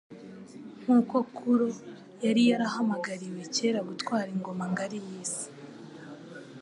Nk'uko Kuro yari yarahamagariwe kera gutwara ingoma ngari y'isi